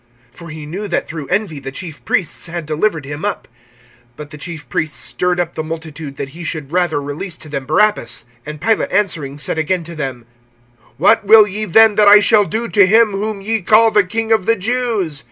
(10)For he knew that through envy the chief priests had delivered him up. (11)But the chief priests stirred up the multitude, that he should rather release to them Barabbas. (12)And Pilate answering, said again to them: What will ye then that I shall do to him whom ye call the King of the Jews?